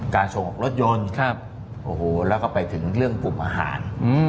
การส่งออกรถยนต์แล้วก็ไปถึงเรื่องกลุ่มอาหาร